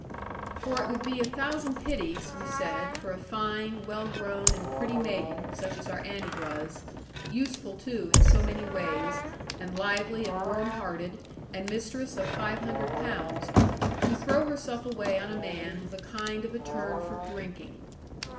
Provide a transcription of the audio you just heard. For it would be a thousand pities, we said, for a fine, well grown, and pretty maiden (such as our Annie was), useful too, in so many ways, and lively, and warm hearted, and mistress of 500 pounds, to throw herself away on a man with a kind of a turn for drinking.